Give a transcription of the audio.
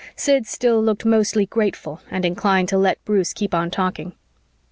Sid still looked mostly grateful and inclined to let Bruce keep on talking.